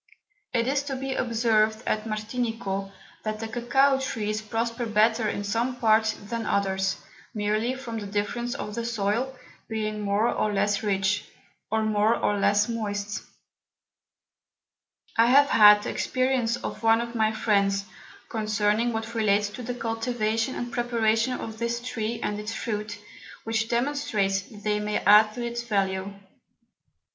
It is to be observed at Martinico, that the Cocao Trees prosper better in some Parts than others, merely from the Difference of the Soil, being more or less rich, or more or less moist. I have had the Experience of one of my Friends, concerning what relates to the Cultivation and Preparation of this Tree and its Fruit, which demonstrates that they may add to its Value.